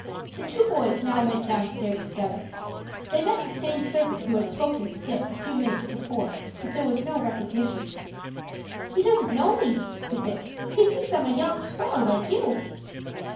The two boys now went downstairs together. They met the same servant who had spoken to Dick a few minutes before, but there was no recognition. "He don't know me," said Dick. "He thinks I'm a young swell like you."